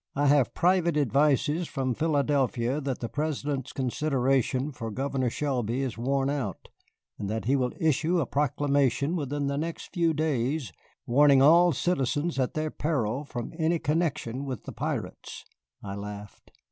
"I have private advices from Philadelphia that the President's consideration for Governor Shelby is worn out, and that he will issue a proclamation within the next few days warning all citizens at their peril from any connection with the pirates." I laughed.